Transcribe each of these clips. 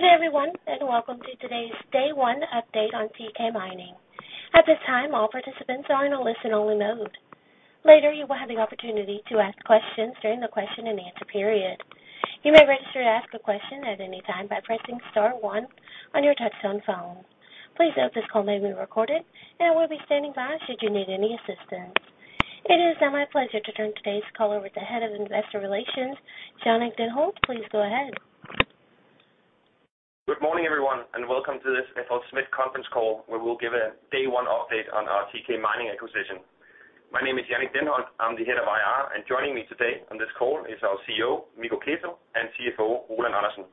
Good day, everyone, and welcome to today's Day One Update on TK Mining. At this time, all participants are in a listen-only mode. Later, you will have the opportunity to ask questions during the question-and-answer period. You may register to ask a question at any time by pressing star one on your touch-tone phone. Please note this call may be recorded, and I will be standing by should you need any assistance. It is now my pleasure to turn today's call over to the Head of Investor Relations Jannick Denholt. Please go ahead. Good morning, everyone, and welcome to this FLSmidth conference call where we'll give a Day One Update on our TK Mining acquisition. My name is Jannick Denholt. I'm the Head of IR, and joining me today on this call is our CEO Mikko Keto, and CFO Roland Andersen.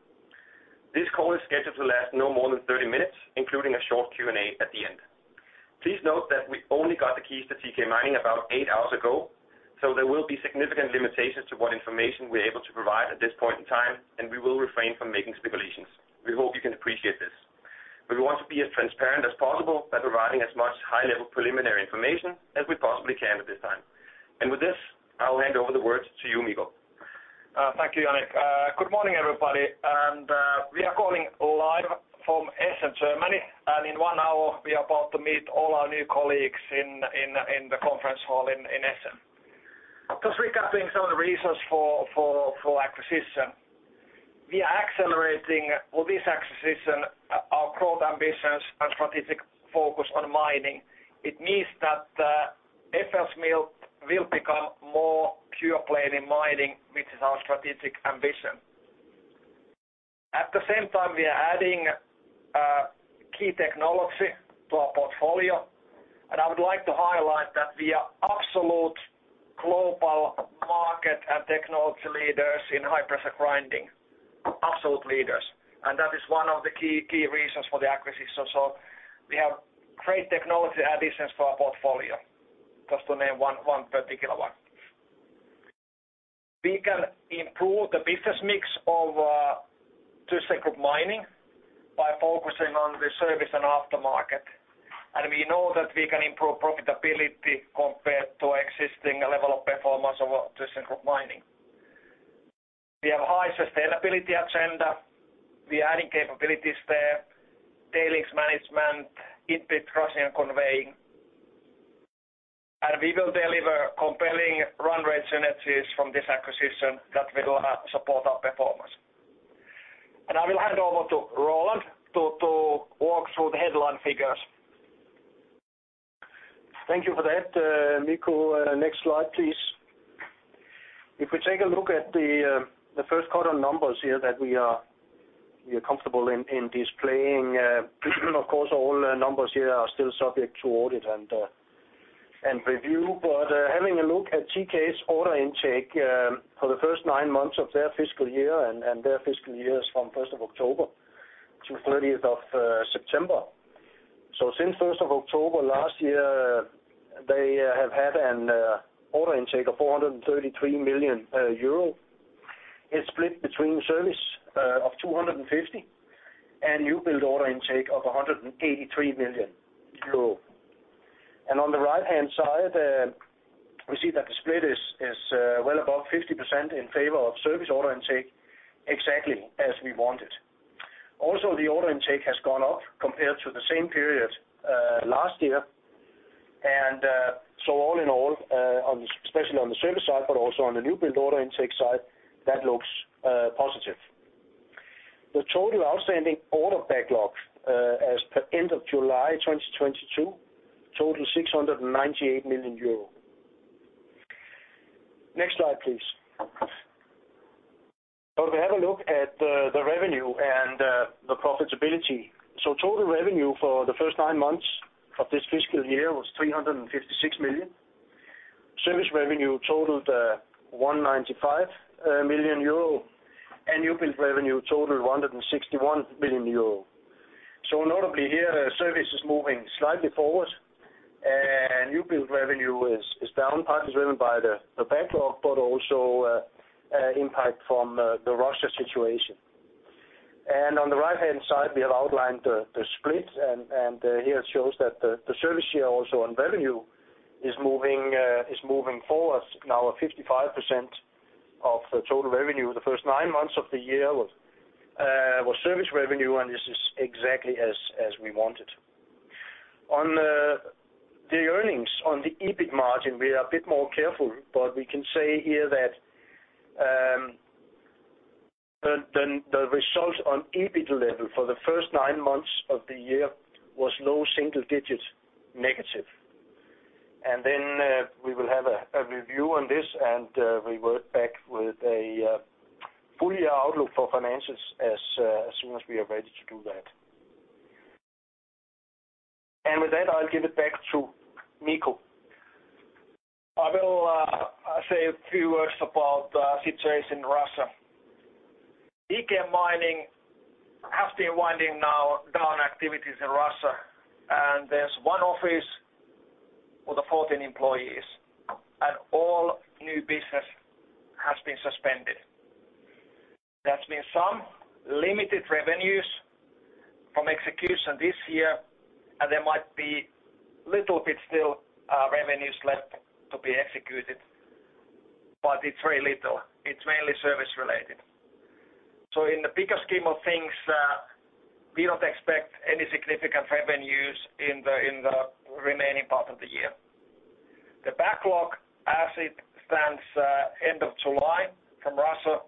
This call is scheduled to last no more than 30 minutes, including a short Q&A at the end. Please note that we only got the keys to TK Mining about eight hours ago, so there will be significant limitations to what information we're able to provide at this point in time, and we will refrain from making speculations. We hope you can appreciate this. We want to be as transparent as possible by providing as much high-level preliminary information as we possibly can at this time. And with this, I'll hand over the word to you, Mikko. Thank you, Jannick. Good morning, everybody. We are calling live from Essen, Germany, and in one hour, we are about to meet all our new colleagues in the conference hall in Essen. Just recapping some of the reasons for acquisition, we are accelerating with this acquisition our growth ambitions and strategic focus on mining. It means that FLSmidth will become more pure-play in mining, which is our strategic ambition. At the same time, we are adding key technology to our portfolio, and I would like to highlight that we are absolute global market and technology leaders in high-pressure grinding. Absolute leaders, and that is one of the key reasons for the acquisition, so we have great technology additions to our portfolio, just to name one particular one. We can improve the business mix of thyssenkrupp Mining by focusing on the service and aftermarket. And we know that we can improve profitability compared to the existing level of performance of thyssenkrupp Mining. We have a high sustainability agenda. We are adding capabilities there: tailings management, in-pit crushing, and conveying. And we will deliver compelling run rate synergies from this acquisition that will support our performance. And I will hand over to Roland to walk through the headline figures. Thank you for that, Mikko. Next slide, please. If we take a look at the first quarter numbers here that we are comfortable in displaying, of course, all numbers here are still subject to audit and review, but having a look at TK's order intake for the first nine months of their fiscal year and their fiscal years from 1st of October to 30th of September, so since 1st of October last year, they have had an order intake of 433 million euro. It's split between a service of 250 million and new-build order intake of 183 million euro, and on the right-hand side, we see that the split is well above 50% in favor of service order intake, exactly as we wanted. Also, the order intake has gone up compared to the same period last year. And so all in all, especially on the service side, but also on the new-build order intake side, that looks positive. The total outstanding order backlog as per end of July 2022 totaled 698 million euro. Next slide, please. So if we have a look at the revenue and the profitability, so total revenue for the first nine months of this fiscal year was 356 million. Service revenue totaled 195 million euro, and new-build revenue totaled 161 million euro. So notably here, service is moving slightly forward, and new-build revenue is down, partly driven by the backlog, but also impact from the Russia situation. And on the right-hand side, we have outlined the split, and here it shows that the service year also on revenue is moving forward now at 55% of the total revenue. The first nine months of the year was service revenue, and this is exactly as we wanted. On the earnings, on the EBIT margin, we are a bit more careful, but we can say here that the result on EBIT level for the first nine months of the year was low single-digit negative, and then we will have a review on this, and we will go back with a full-year outlook for finances as soon as we are ready to do that, and with that, I'll give it back to Mikko. I will say a few words about the situation in Russia. TK Mining has been winding down activities in Russia, and there's one office with 14 employees, and all new business has been suspended. There's been some limited revenues from execution this year, and there might be a little bit still revenues left to be executed, but it's very little. It's mainly service-related. In the bigger scheme of things, we don't expect any significant revenues in the remaining part of the year. The backlog, as it stands end of July from Russia,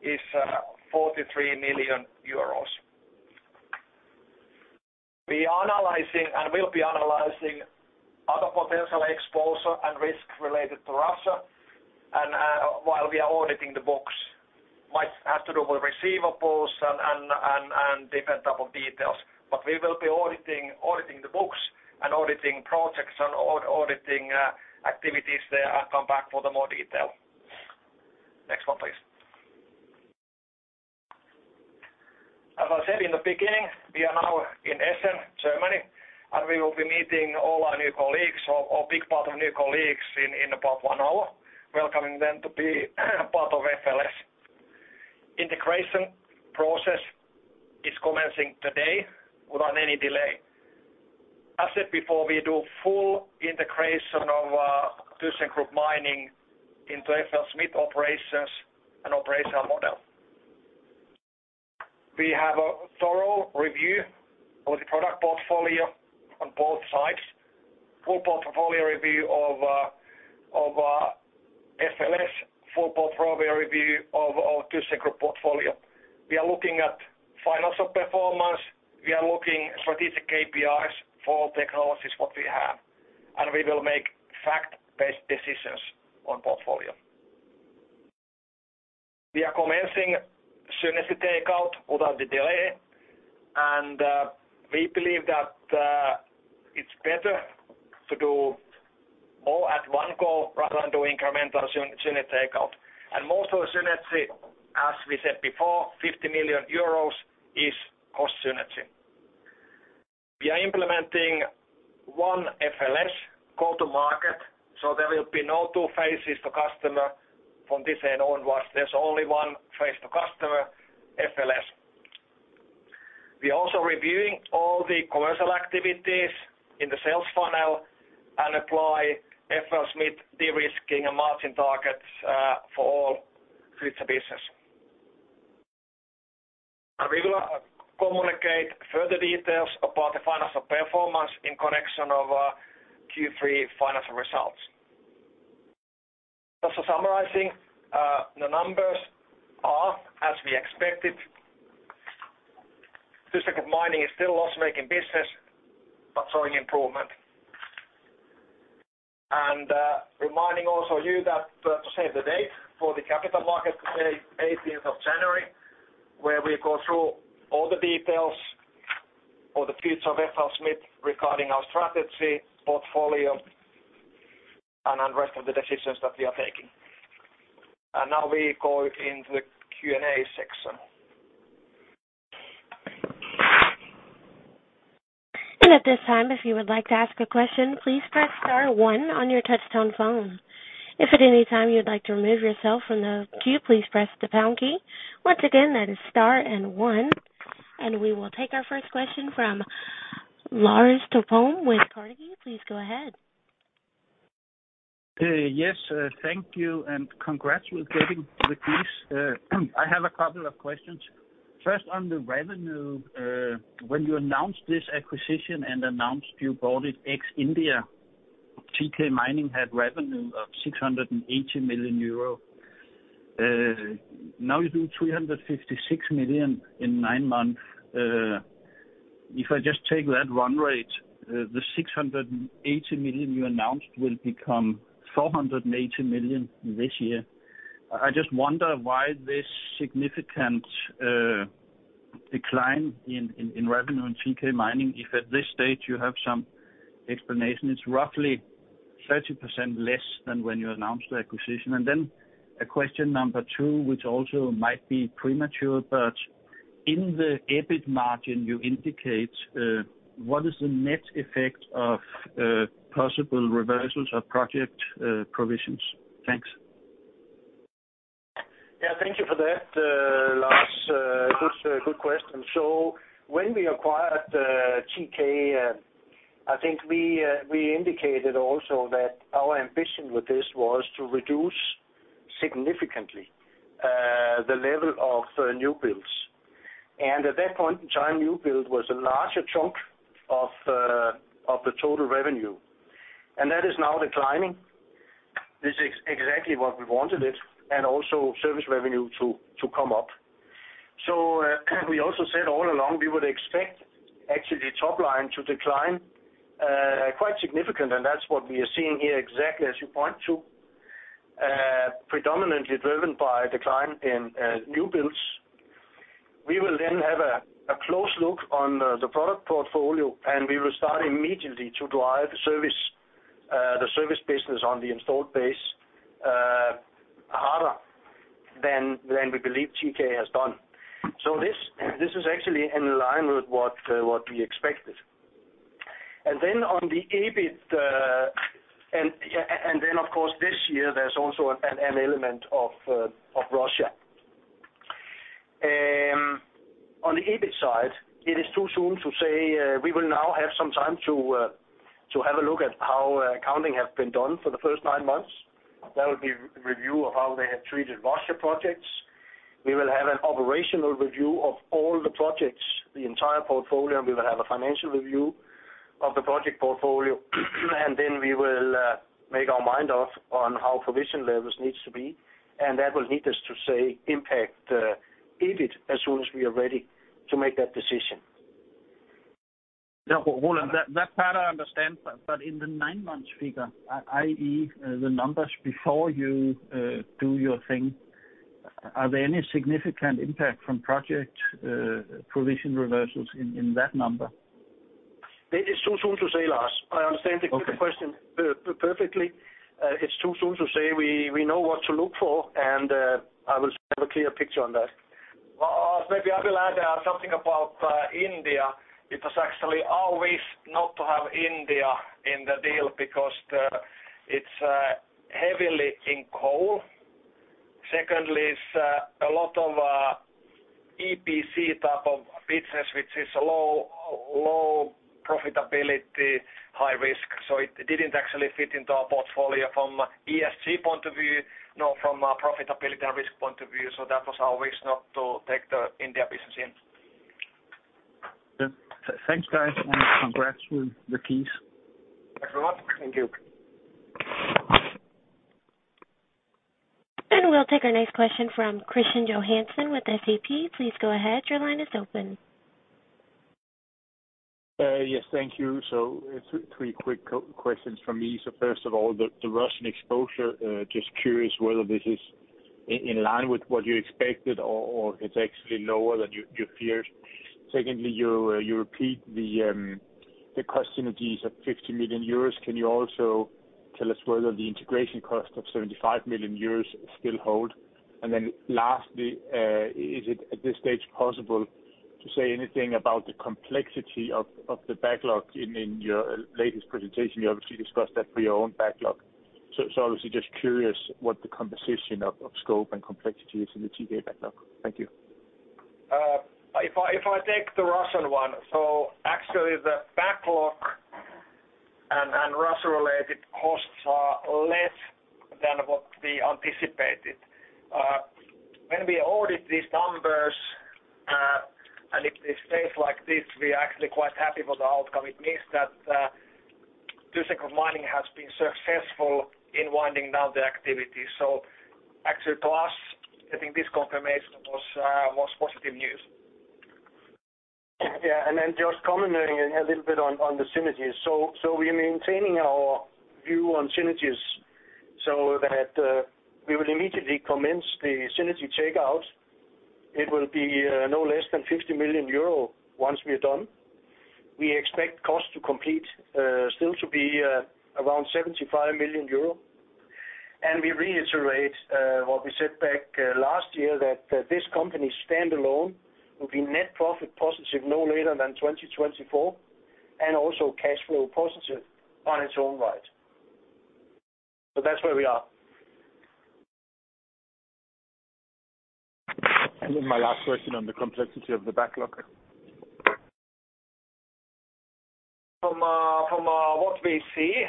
is EUR 43 million. We are analyzing and will be analyzing other potential exposure and risk related to Russia, while we are auditing the books. It might have to do with receivables and different types of details, but we will be auditing the books and auditing projects and auditing activities there and come back for more detail. Next one, please. As I said in the beginning, we are now in Essen, Germany, and we will be meeting all our new colleagues or a big part of new colleagues in about one hour, welcoming them to be part of FLS. Integration process is commencing today without any delay. As said before, we do full integration of thyssenkrupp Mining into FLSmidth operations and operational model. We have a thorough review of the product portfolio on both sides, full portfolio review of FLS, full portfolio review of thyssenkrupp portfolio. We are looking at financial performance. We are looking at strategic KPIs for all technologies that we have, and we will make fact-based decisions on portfolio. We are commencing synergy takeout without a delay, and we believe that it's better to do all at one go rather than do incremental synergy takeout. Most of the synergy, as we said before, 50 million euros is cost synergy. We are implementing one FLS go-to-market, so there will be no two faces to customer from this end onwards. There's only one face to customer FLS. We are also reviewing all the commercial activities in the sales funnel and apply FLSmidth de-risking and margin targets for all future business. We will communicate further details about the financial performance in connection with Q3 financial results. Just summarizing, the numbers are as we expected. Thyssenkrupp Mining is still a loss-making business, but showing improvement. We also remind you to save the date for the Capital Markets Day, 18th of January, where we go through all the details for the future of FLSmidth regarding our strategy, portfolio, and the rest of the decisions that we are taking. Now we go into the Q&A section. At this time, if you would like to ask a question, please press star one on your touch-tone phone. If at any time you would like to remove yourself from the queue, please press the pound key. Once again, that is star and one. We will take our first question from Lars Topholm with Carnegie. Please go ahead. Yes, thank you, and congrats with getting the keys. I have a couple of questions. First, on the revenue, when you announced this acquisition and announced you bought it ex-India, TK Mining had revenue of 680 million euro. Now you do 356 million in nine months. If I just take that run rate, the 680 million you announced will become 480 million this year. I just wonder why this significant decline in revenue in TK Mining, if at this stage you have some explanation. It's roughly 30% less than when you announced the acquisition. And then a question number two, which also might be premature, but in the EBIT margin you indicate, what is the net effect of possible reversals of project provisions? Thanks. Yeah, thank you for that, Lars. Good question, so when we acquired TK, I think we indicated also that our ambition with this was to reduce significantly the level of new-builds, and at that point in time, new-build was a larger chunk of the total revenue, and that is now declining. This is exactly what we wanted, and also service revenue to come up, so we also said all along we would expect actually top line to decline quite significantly, and that's what we are seeing here exactly as you point to, predominantly driven by a decline in new-builds. We will then have a close look on the product portfolio, and we will start immediately to drive the service business on the installed base harder than we believe TK has done, so this is actually in line with what we expected. And then on the EBIT, and then of course this year, there's also an element of Russia. On the EBIT side, it is too soon to say. We will now have some time to have a look at how accounting has been done for the first nine months. There will be a review of how they have treated Russia projects. We will have an operational review of all the projects, the entire portfolio. We will have a financial review of the project portfolio, and then we will make our mind up on how provision levels need to be. And that will lead us to say impact EBIT as soon as we are ready to make that decision. Yeah, Roland, that's hard to understand, but in the nine-month figure, i.e., the numbers before you do your thing, are there any significant impact from project provision reversals in that number? It is too soon to say, Lars. I understand the question perfectly. It's too soon to say. We know what to look for, and I will have a clear picture on that. Maybe I will add something about India. It was actually always not to have India in the deal because it's heavily in coal. Secondly, it's a lot of EPC type of business, which is low profitability, high risk. So it didn't actually fit into our portfolio from an ESG point of view, not from a profitability and risk point of view. So that was our wish not to take the India business in. Thanks, guys, and congrats with the keys. Thank you. We'll take our next question from Kristian Johansen with SEB. Please go ahead. Your line is open. Yes, thank you. So three quick questions from me. So first of all, the Russian exposure, just curious whether this is in line with what you expected or if it's actually lower than you feared. Secondly, you repeat the cost synergies of 50 million euros. Can you also tell us whether the integration cost of 75 million euros still holds? And then lastly, is it at this stage possible to say anything about the complexity of the backlog? In your latest presentation, you obviously discussed that for your own backlog. So obviously, just curious what the composition of scope and complexity is in the TK backlog. Thank you. If I take the Russian one, so actually the backlog and Russia-related costs are less than what we anticipated. When we audit these numbers, and if it stays like this, we're actually quite happy with the outcome. It means that thyssenkrupp Mining has been successful in winding down the activity. So actually to us, I think this confirmation was positive news. Yeah, and then just commenting a little bit on the synergies. So we are maintaining our view on synergies so that we will immediately commence the synergy takeout. It will be no less than 50 million euro once we are done. We expect cost to complete still to be around 75 million euro, and we reiterate what we said back last year, that this company standalone will be net profit positive no later than 2024, and also cash flow positive in its own right. So that's where we are. And then my last question on the complexity of the backlog. From what we see,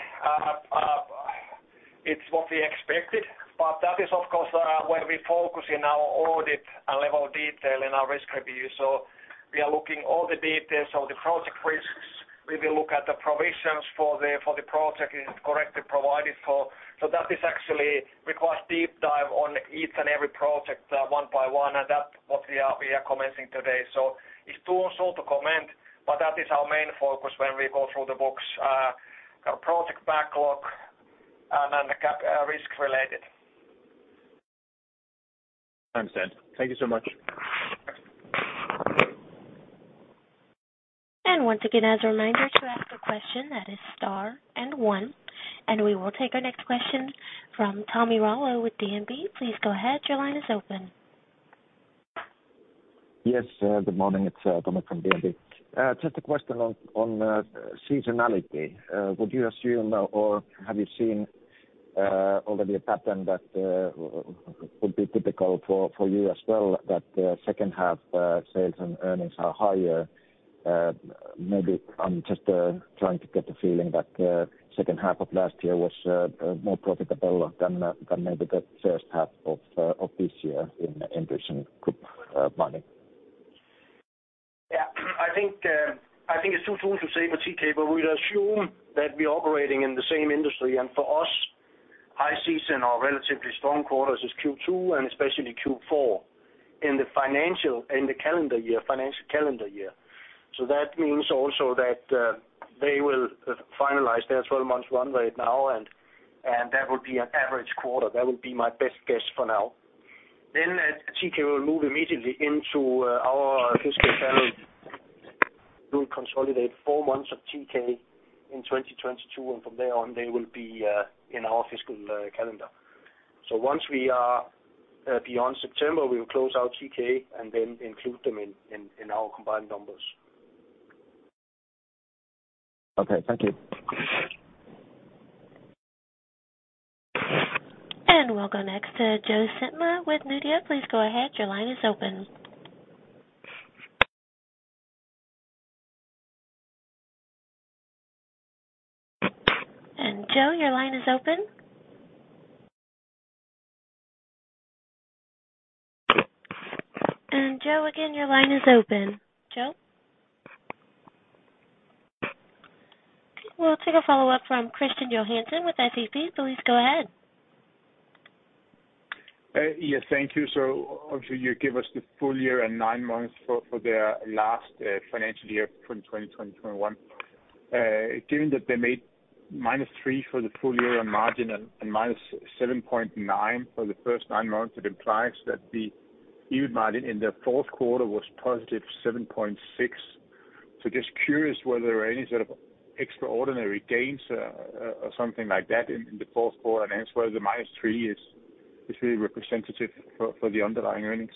it's what we expected, but that is of course where we focus in our audit and level of detail in our risk review. So we are looking at all the details of the project risks. We will look at the provisions for the project and correctly provided for. So that is actually requires deep dive on each and every project one by one, and that's what we are commencing today. So it's too soon to comment, but that is our main focus when we go through the books, project backlog, and then risk-related. Understand. Thank you so much. And once again, as a reminder to ask a question, that is star and one. And we will take our next question from Tomi Railo with DNB. Please go ahead. Your line is open. Yes, good morning. It's Tomi from DNB. Just a question on seasonality. Would you assume or have you seen already a pattern that would be typical for you as well, that second half sales and earnings are higher? Maybe I'm just trying to get the feeling that second half of last year was more profitable than maybe the first half of this year in thyssenkrupp Mining. Yeah, I think it's too soon to say for TK, but we would assume that we are operating in the same industry, and for us, high season or relatively strong quarters is Q2 and especially Q4 in the calendar year, financial calendar year, so that means also that they will finalize their 12-month run rate now, and that will be an average quarter. That will be my best guess for now, then TK will move immediately into our fiscal calendar. We will consolidate four months of TK in 2022, and from there on, they will be in our fiscal calendar, so once we are beyond September, we will close out TK and then include them in our combined numbers. Okay, thank you. And we'll go next to Claus Almer with Nordea. Please go ahead. Your line is open. And Joe, your line is open. And Joe again, your line is open. Joe? We'll take a follow-up from Kristian Johansen with SEB. Please go ahead. Yes, thank you. So obviously, you give us the full year and nine months for their last financial year from 2020 to 2021. Given that they made -3% for the full year on margin and -7.9% for the first nine months, it implies that the EBIT margin in the fourth quarter was +7.6%. So just curious whether there are any sort of extraordinary gains or something like that in the fourth quarter, and elsewhere the -3% is really representative for the underlying earnings.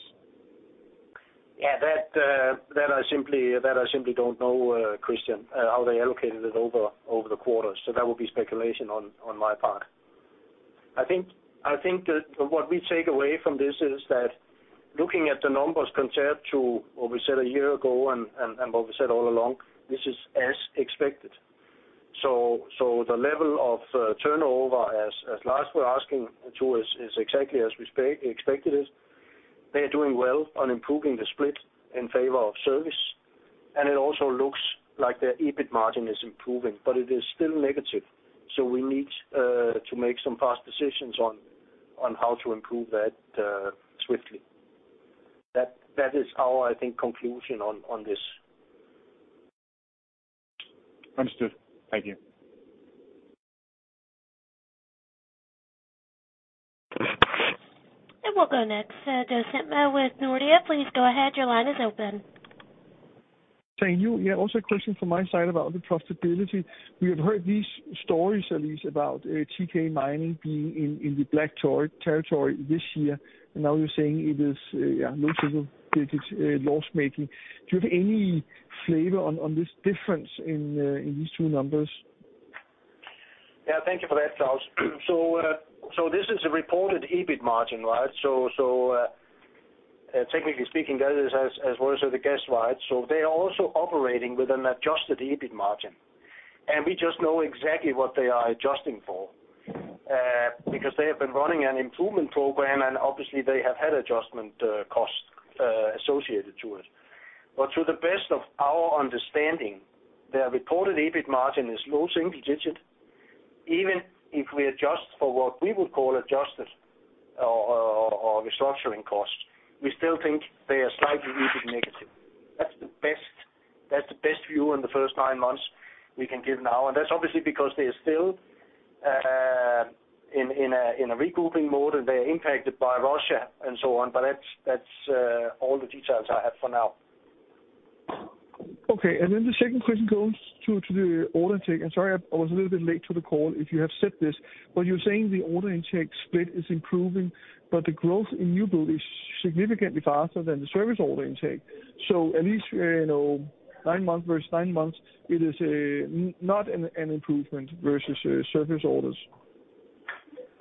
Yeah, that I simply don't know, Kristian, how they allocated it over the quarters. So that would be speculation on my part. I think what we take away from this is that looking at the numbers compared to what we said a year ago and what we said all along, this is as expected. So the level of turnover as Lars was asking to us is exactly as we expected it. They are doing well on improving the split in favor of service, and it also looks like their EBIT margin is improving, but it is still negative. So we need to make some fast decisions on how to improve that swiftly. That is our, I think, conclusion on this. Understood. Thank you. And we'll go next to Claus Almer with Nordea. Please go ahead. Your line is open. Thank you. Yeah, also a question from my side about the profitability. We have heard these stories, these, about TK Mining being in the black territory this year, and now you're saying it is, yeah, losing a bit loss-making. Do you have any flavor on this difference in these two numbers? Yeah, thank you for that, Claus. So this is a reported EBIT margin, right? So technically speaking, that is as well as the guess, right? So they are also operating with an Adjusted EBIT margin, and we just know exactly what they are adjusting for because they have been running an improvement program, and obviously they have had adjustment costs associated to it. But to the best of our understanding, their reported EBIT margin is low single digit. Even if we adjust for what we would call adjusted or restructuring costs, we still think they are slightly EBIT negative. That's the best view in the first nine months we can give now, and that's obviously because they are still in a regrouping mode, and they are impacted by Russia and so on, but that's all the details I have for now. Okay, and then the second question goes to the order intake. I'm sorry I was a little bit late to the call. If you have said this, but you're saying the order intake split is improving, but the growth in new-build is significantly faster than the service order intake. So at least nine months versus nine months, it is not an improvement versus service orders.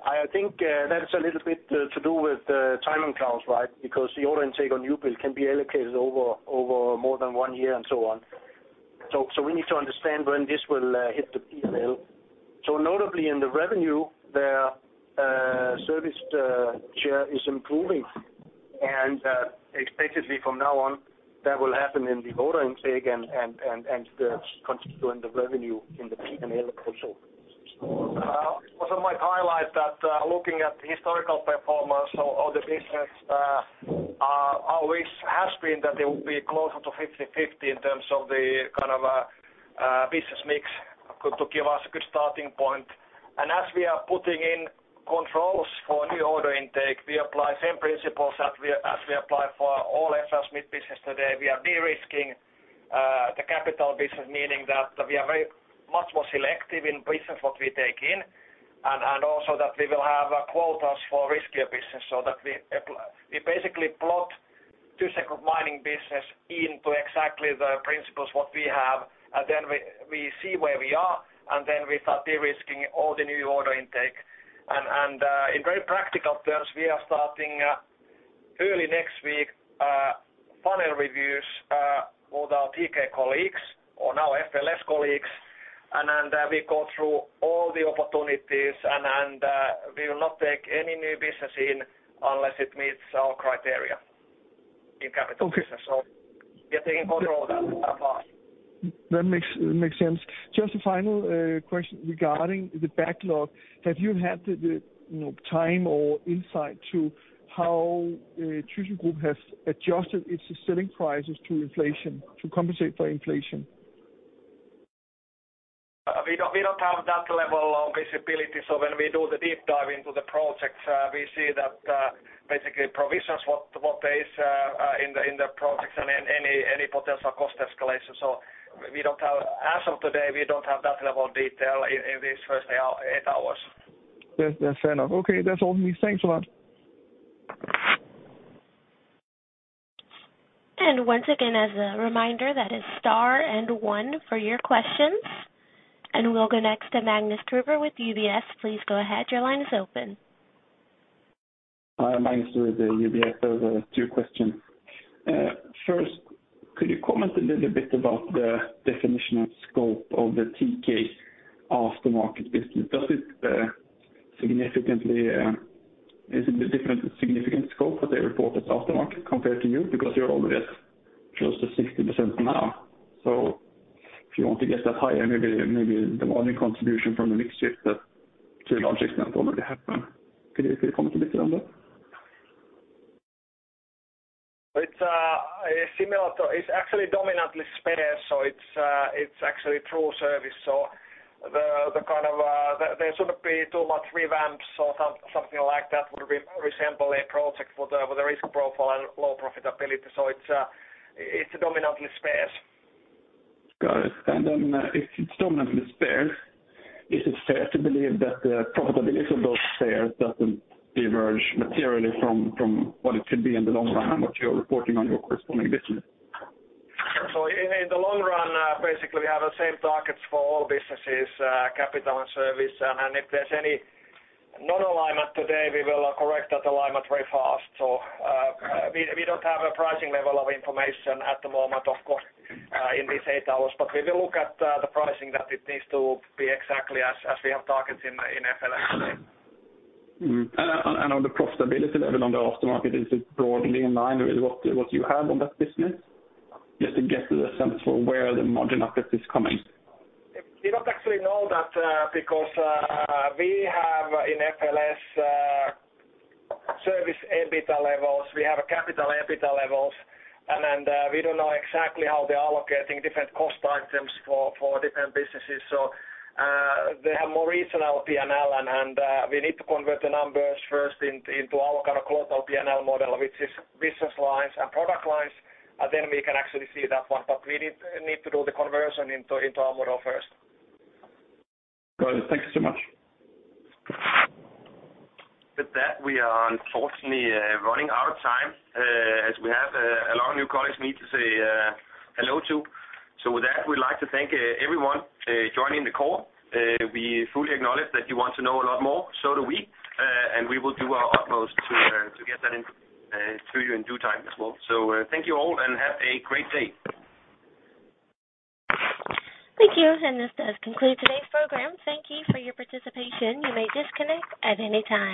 I think that's a little bit to do with timing, Claus, right? Because the order intake on new-build can be allocated over more than one year and so on, so we need to understand when this will hit the P&L, so notably in the revenue, their service share is improving, and expectedly from now on, that will happen in the order intake and continue in the revenue in the P&L also. Also, I might highlight that looking at the historical performance of the business, our wish has been that they will be closer to 50/50 in terms of the kind of business mix to give us a good starting point, and as we are putting in controls for new order intake, we apply the same principles as we apply for all FLSmidth business today. We are de-risking the capital business, meaning that we are much more selective in business what we take in, and also that we will have quotas for riskier business so that we basically plot thyssenkrupp Mining business into exactly the principles what we have. And then we see where we are, and then we start de-risking all the new order intake. And in very practical terms, we are starting early next week final reviews with our TK colleagues or now FLS colleagues, and then we go through all the opportunities, and we will not take any new business in unless it meets our criteria in capital business. So we are taking control of that fast. That makes sense. Just a final question regarding the backlog. Have you had the time or insight to how thyssenkrupp has adjusted its selling prices to inflation, to compensate for inflation? We don't have that level of visibility. So when we do the deep dive into the projects, we see that basically provisions what there is in the projects and any potential cost escalation. So as of today, we don't have that level of detail in these first eight hours. That's fair enough. Okay, that's all from me. Thanks a lot. Once again, as a reminder, that is star and one for your questions. We'll go next to Magnus Kruber with UBS. Please go ahead. Your line is open. Hi, Magnus Kruber with UBS. There are two questions. First, could you comment a little bit about the definition of scope of the TK aftermarket business? Does it significantly—is it a different significant scope for their reported aftermarket compared to you? Because you're already at close to 60% now. So if you want to get that higher, maybe the margin contribution from the mix shift to a large extent already happened. Could you comment a bit on that? It's actually dominantly spare, so it's actually true service. So there shouldn't be too much revamps or something like that would resemble a project with a risk profile and low profitability. So it's dominantly spare. Got it. And then if it's predominantly spares, is it fair to believe that the profitability of those spares doesn't diverge materially from what it should be in the long run and what you're reporting on your corresponding business? So in the long run, basically we have the same targets for all businesses: Capital and Service. And if there's any non-alignment today, we will correct that alignment very fast. So we don't have a pricing level of information at the moment, of course, in these eight hours, but we will look at the pricing that it needs to be exactly as we have targets in FLS today. On the profitability level on the aftermarket, is it broadly in line with what you have on that business? Just to get a sense for where the margin uplift is coming. We don't actually know that because we have in FLS service EBITDA levels. We have capital EBITDA levels, and then we don't know exactly how they are allocating different cost items for different businesses. So they have more reasonable P&L, and we need to convert the numbers first into our kind of quarterly P&L model, which is business lines and product lines, and then we can actually see that one. But we need to do the conversion into our model first. Got it. Thank you so much. With that, we are unfortunately running out of time as we have a lot of new colleagues we need to say hello to. So with that, we'd like to thank everyone joining the call. We fully acknowledge that you want to know a lot more, so do we, and we will do our utmost to get that to you in due time as well. So thank you all, and have a great day. Thank you. And this does conclude today's program. Thank you for your participation. You may disconnect at any time.